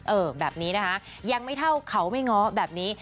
เออแบบนี้นะคะยังไม่เท่าเขาไม่ง้อแบบนี้